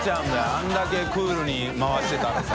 あれだけクールに回してたらさ。